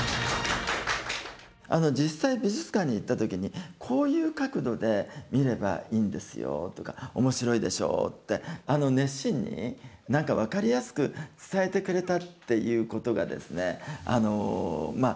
実際美術館に行った時にこういう角度で見ればいいんですよとかおもしろいでしょうってあの熱心に何か分かりやすく伝えてくれたっていうことがですねまあ